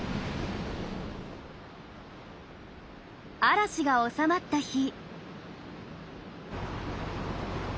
嵐が収まった日。